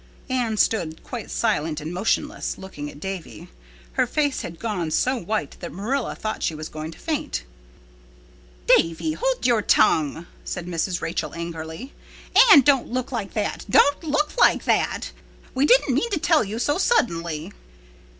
Anne stood quite silent and motionless, looking at Davy. Her face had gone so white that Marilla thought she was going to faint. "Davy, hold your tongue," said Mrs. Rachel angrily. "Anne, don't look like that—don't look like that! We didn't mean to tell you so suddenly."